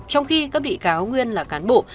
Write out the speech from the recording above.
trong khi các bị cáo nguyên là cán bộ